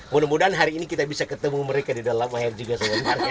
mudah mudahan hari ini kita bisa ketemu mereka di dalam air juga